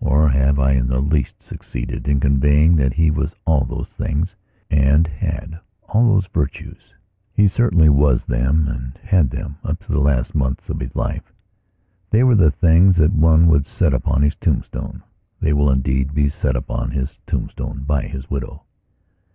Or have I in the least succeeded in conveying that he was all those things and had all those virtues? He certainly was them and had them up to the last months of his life. They were the things that one would set upon his tombstone. They will, indeed, be set upon his tombstone by his widow.